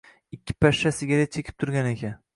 Ikkita pashsha sigaret chekib turgan ekan